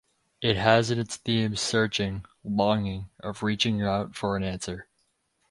It has in its theme searching, longing, of reaching out for an answer.